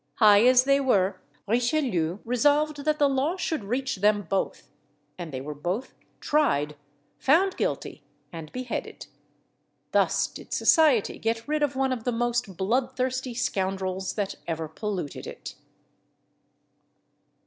High as they were, Richelieu resolved that the law should reach them both, and they were both tried, found guilty, and beheaded. Thus did society get rid of one of the most bloodthirsty scoundrels that ever polluted it.